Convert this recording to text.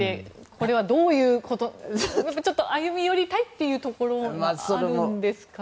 これは、ちょっと歩み寄りたいというところがあるんですかね。